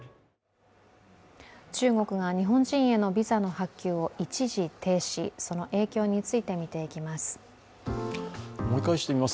中国が日本人へのビザの発給を一時停止その影響について見ていきます。